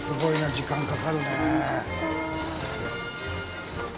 時間かかるね。